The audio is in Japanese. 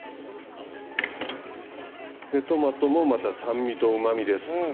トマトもまた酸味とうまみです。